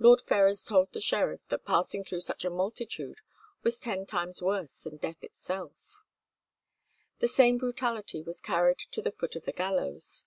Lord Ferrers told the sheriff that passing through such a multitude was ten times worse than death itself. The same brutality was carried to the foot of the gallows.